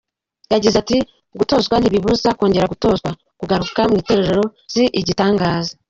Yagize ati ”Gutozwa ntibibuza kongera gutozwa, kugaruka mu itorero si igitangaza.